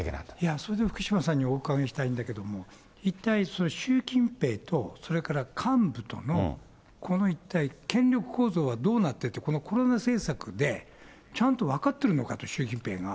それで福島さんにお伺いしたいんだけれども、一体、習近平とそれから幹部とのこの一体、権力構造はどうなってて、コロナ政策でちゃんと分かってるのかと、習近平が。